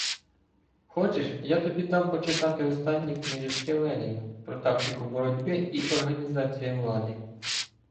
Хочеш, я тобі дам почитати останні книжечки Леніна про тактику боротьби і організацію влади.